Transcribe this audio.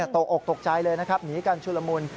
ตกอกตกใจเลยนะครับหนีกันชุลมุน